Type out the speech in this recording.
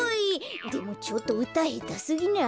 でもちょっとうたへたすぎない？